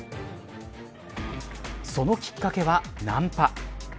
そのきっかけはナンパ。